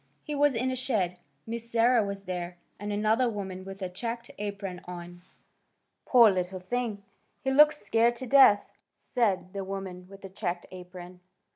He was in a shed. Miss Sarah was there, and another woman with a checked apron on. "Poor little thing! He looks scared to death," said the woman with the checked apron.